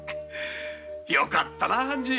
よかったな半次。